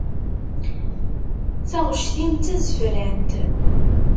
Taɣect-im d tazefrant.